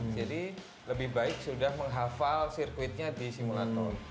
jadi lebih baik sudah menghafal sirkuitnya di simulator